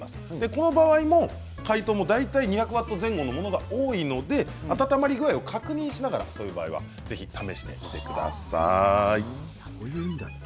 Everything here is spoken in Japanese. この場合、大体解凍も２００ワット前後のものが多いので温まり具合を確認しながらぜひ試してみてください。